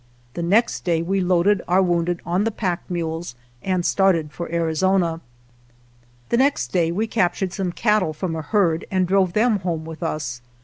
The next day we loaded our wounded on the pack mules and started for Arizona. The next day we captured come cattle from a herd and drove them home with us.